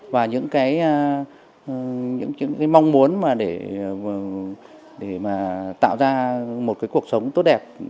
và những cái mong muốn để tạo ra một cuộc sống tốt đẹp